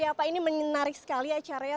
ya pak ini menarik sekali acara ya